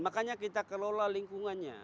makanya kita kelola lingkungannya